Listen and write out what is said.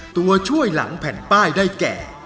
ตัวช่วยหลังแผ่นป้ายได้แก่